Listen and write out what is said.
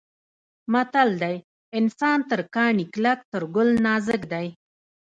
متل دی: انسان تر کاڼي کلک تر ګل نازک دی.